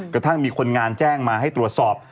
กระทั่งมีคนงานแจ้งมาให้ตรวจสอบ